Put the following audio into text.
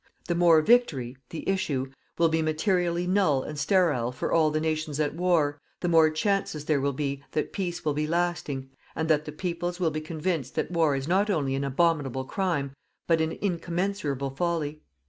The more victory_ (the issue) _will be materially null and sterile for all the nations at war, the more chances there will be that peace will be lasting and that the peoples will be convinced that war is not only an abominable crime but an incommensurable folly_."